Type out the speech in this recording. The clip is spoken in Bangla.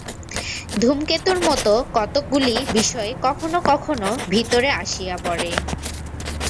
ধূমকেতুর মত কতকগুলি বিষয় কখনও কখনও ভিতরে আসিয়া পড়ে।